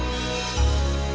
tadi tinggal man